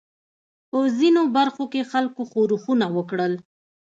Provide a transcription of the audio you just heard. په ځینو برخو کې خلکو ښورښونه وکړل.